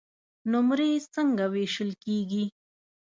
نمرې څنګه وېشل کیږي؟